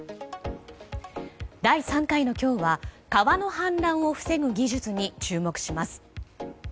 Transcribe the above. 第３回の今日は川の氾濫を防ぐ技術に注目します。